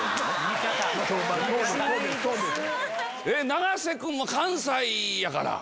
永瀬君も関西やから。